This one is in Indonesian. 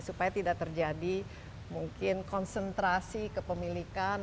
supaya tidak terjadi mungkin konsentrasi kepemilikan